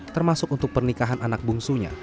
termasuk untuk pernikahan anak bungsunya